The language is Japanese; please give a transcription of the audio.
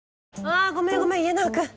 あごめんごめん家長くん。